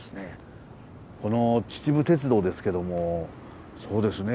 この秩父鉄道ですけどもそうですね